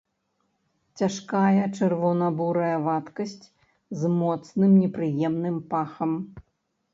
Цяжкая чырвона-бурая вадкасць з моцным непрыемным пахам.